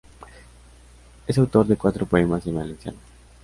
Es autor de cuatro poemas en valenciano.